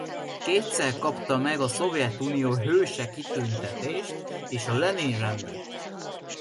Kétszer kapta meg a Szovjetunió Hőse kitüntetést és a Lenin-rendet.